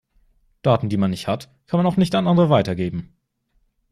Daten, die man nicht hat, kann man auch nicht an andere weitergeben.